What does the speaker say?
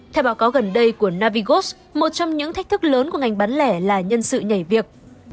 theo báo cáo gần đây của navigos một trong những thách thức lớn của ngành bán lẻ là nhân sự nhảy việc